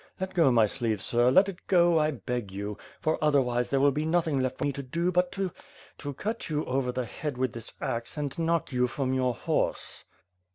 Let go my sleeve, sir, let it go, I beg you; for otherwise there will be nothing left for me to do but to — to cut you over the head with this axe and knock you from your horse."